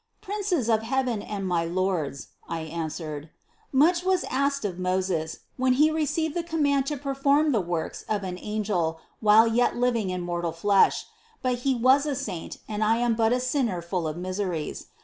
"Princes of heaven and my lords," I answered, "much was asked of Moses, when he received the command to perform the works of an angel while yet living in mortal flesh : but he was a saint, and I am but a sinner full of miseries.